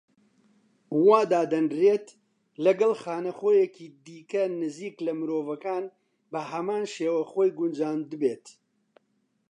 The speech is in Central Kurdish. وا دادەنرێت، لەگەڵ خانەخوێیەکی دیکە نزیک لە مرۆڤەکان بە هەمان شێوە خۆی گونجاندبێت.